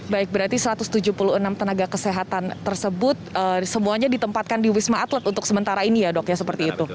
baik berarti satu ratus tujuh puluh enam tenaga kesehatan tersebut semuanya ditempatkan di wisma atlet untuk sementara ini ya dok ya seperti itu